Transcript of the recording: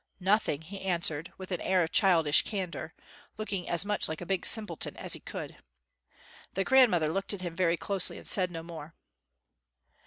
"Nothing," he answered, with an air of childish candor; looking as much like a big simpleton as he could. The grandmother looked at him very closely and said no more.